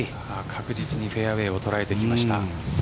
確実にフェアウェーを捉えてきました。